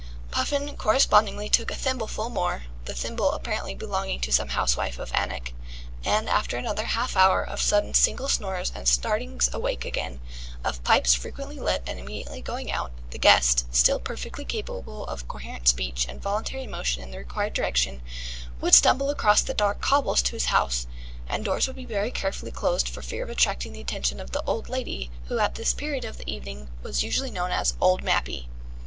Puffin correspondingly took a thimbleful more (the thimble apparently belonging to some housewife of Anak), and after another half hour of sudden single snores and startings awake again, of pipes frequently lit and immediately going out, the guest, still perfectly capable of coherent speech and voluntary motion in the required direction, would stumble across the dark cobbles to his house, and doors would be very carefully closed for fear of attracting the attention of the lady who at this period of the evening was usually known as "Old Mappy".